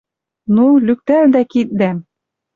Ну, лӱктӓлдӓ киддӓм!